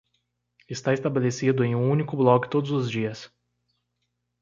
Está estabelecido em um único blog todos os dias.